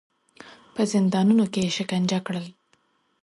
په زندانونو کې یې شکنجه کړل.